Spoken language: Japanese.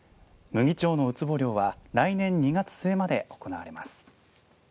牟岐町のうつぼ漁は来年２月末まで行われます。